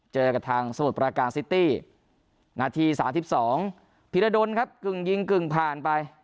เจอกับทางสมุทรประการซิตี้นาที๓๒พิรดลครับกึ่งยิงกึ่งผ่านไป